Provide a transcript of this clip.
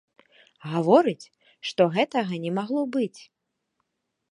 Гаворыць, што гэтага не магло быць.